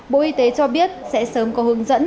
bộ y tế cho biết sẽ sớm có hướng dẫn